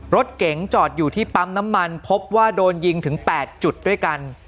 รถเก๋งจอดอยู่ที่ปั๊มน้ำมันพบว่าโดนยิงถึง๘จุดด้วยกัน